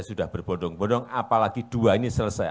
sudah berbodong bondong apalagi dua ini selesai